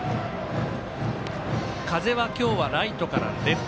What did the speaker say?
風は今日はライトからレフト。